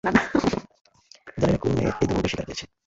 জানি না কোন মেয়ে এই দুর্ভাগ্যের শিকার হয়েছে!